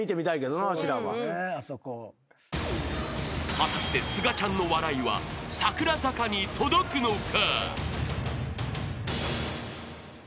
［果たしてすがちゃんの笑いは櫻坂に届くのか？］